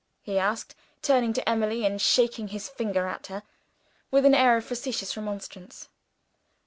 he asked, turning to Emily, and shaking his finger at her with an air of facetious remonstrance.